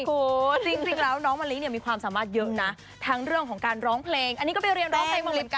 โอ้โหจริงแล้วน้องมะลิเนี่ยมีความสามารถเยอะนะทั้งเรื่องของการร้องเพลงอันนี้ก็ไปเรียนร้องเพลงมาเหมือนกัน